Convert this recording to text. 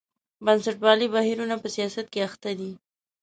بنسټپالي بهیرونه په سیاست کې اخته دي.